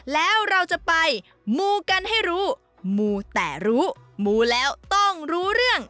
แล้วเราจะไปมูกันให้รู้มูแต่รู้มูแล้วต้องรู้เรื่อง